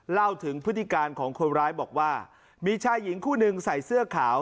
เล่าถึงพฤติการของคนร้ายบอกว่ามีชายหญิงคู่หนึ่งใส่เสื้อขาว